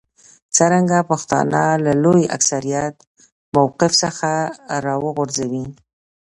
څرنګه پښتانه له لوی اکثریت موقف څخه راوغورځوي.